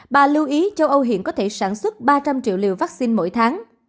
bà lưu ý châu âu hiện có thể sản xuất ba trăm linh triệu liều vaccine mỗi tháng